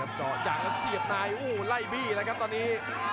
อย่างจะเสียบนายโอ้โหไล่บี้เลยครับตอนนี้